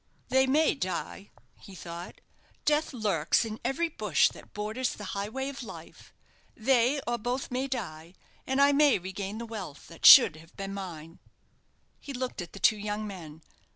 "They may die," he thought; "death lurks in every bush that borders the highway of life. They or both may die, and I may regain the wealth that should have been mine." He looked at the two young men.